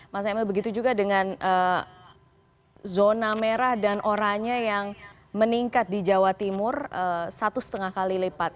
mas emil begitu juga dengan zona merah dan oranya yang meningkat di jawa timur satu lima kali lipat